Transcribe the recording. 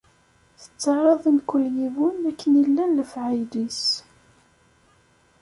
Tettarraḍ i mkul yiwen akken i llan lefɛayel-is.